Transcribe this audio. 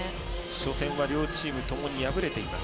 初戦は両チームともに敗れています。